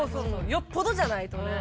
よっぽどじゃないとね。